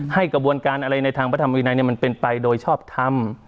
กระบวนการอะไรในทางพระธรรมวินัยมันเป็นไปโดยชอบทำ